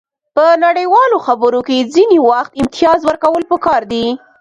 په نړیوالو خبرو کې ځینې وخت امتیاز ورکول پکار دي